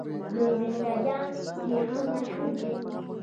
د زنده جان وریښم مشهور دي